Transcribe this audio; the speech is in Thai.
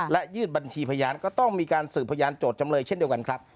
และยืดบัญชีพยานก็ต้องมีการสืบพยานโจทย์จำเลยเช่นเดียวกันครับ